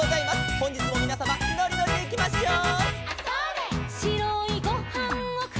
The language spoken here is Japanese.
「ほんじつもみなさまのりのりでいきましょう」